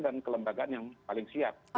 dan ke lembaga yang paling siap